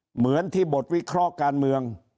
เหมือนที่บทวิเคราะห์การเมือง